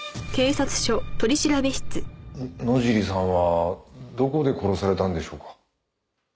野尻さんはどこで殺されたんでしょうか？